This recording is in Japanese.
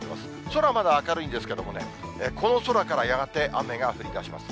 空まだ明るいんですけれどもね、この空からやがて雨が降りだします。